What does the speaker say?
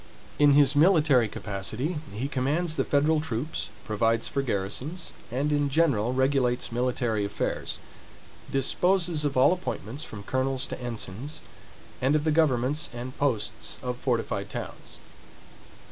In his military capacity he commands the federal troops, provides for garrisons, and in general regulates military affairs; disposes of all appointments, from colonels to ensigns, and of the governments and posts of fortified towns.